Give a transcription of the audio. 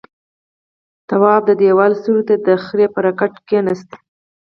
تواب د دېوال سيوري ته د خرې پر کته کېناست.